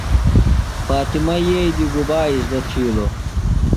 فاطمہ یئییۡ دی گُبا اِزدہ تِھیلوۡ؟